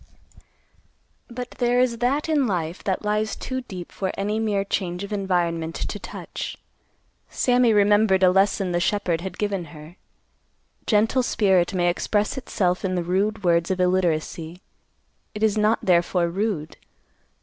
But there is that in life that lies too deep for any mere change of environment to touch. Sammy remembered a lesson the shepherd had given her: gentle spirit may express itself in the rude words of illiteracy; it is not therefore rude.